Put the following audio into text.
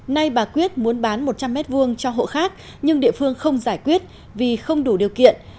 nay bà quyết muốn bán một trăm linh m hai cho hộ khác nhưng địa phương không giải quyết vì không đủ điều kiện